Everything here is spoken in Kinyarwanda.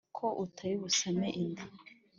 ko utari busame inda,